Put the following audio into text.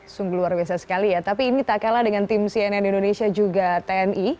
sungguh luar biasa sekali ya tapi ini tak kalah dengan tim cnn indonesia juga tni